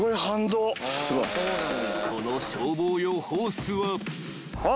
［この消防用ホースは］